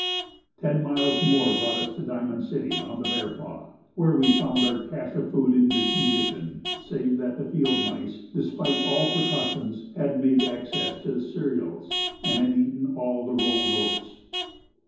Ten miles more brought us to Diamond City, on the Bearpaw, where we found our cache of food in good condition save that the field mice, despite all precautions, had made access to the cereals and had eaten all the rolled oats.